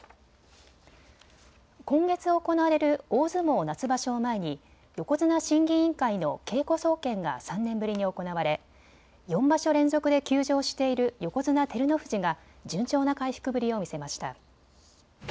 今月行われる大相撲夏場所を前に横綱審議委員会の稽古総見が３年ぶりに行われ４場所連続で休場している横綱・照ノ富士が順調な回復ぶりを見せました。